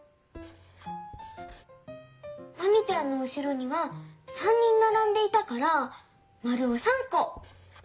マミちゃんのうしろには３人ならんでいたからまるを３こ。